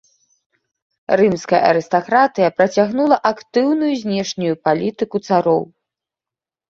Рымская арыстакратыя працягнула актыўную знешнюю палітыку цароў.